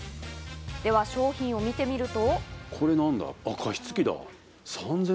では商品を見てみると。